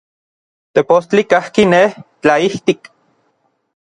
Tepostli kajki nej, tlaijtik.